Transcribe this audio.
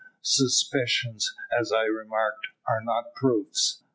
"Suspicions, as I remarked, are not proofs.